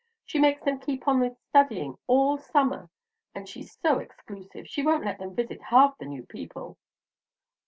She makes them keep on with studying all summer, and she's so exclusive, she won't let them visit half the new people."